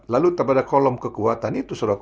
lalu pada kolom kekuatan itu surat